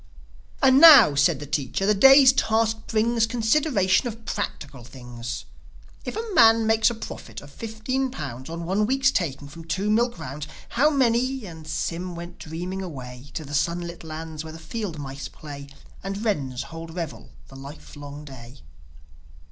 "And now," said the teacher, "the day's task brings Consideration of practical things. If a man makes a profit of fifteen pounds On one week's takings from two milk rounds, How many ..." And Sym went dreaming away To the sunlit lands where the field mice play, And wrens hold revel the livelong day.